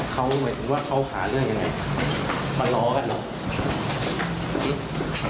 เขาเหมือนว่าเขาหาเรื่องยังไงมาล้อกันเหรอ